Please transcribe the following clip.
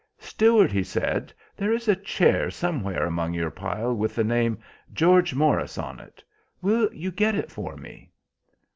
"Steward," he said, "there is a chair somewhere among your pile with the name 'Geo. Morris' on it. Will you get it for me?"